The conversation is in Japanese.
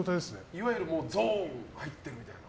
いわゆるゾーンに入ってるみたいな。